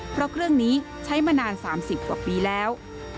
เพราะเครื่องนี้ใช้มานาน๓๐กว่าปีแล้ว